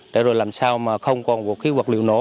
để rồi làm sao mà không còn vũ khí vật liệu nổ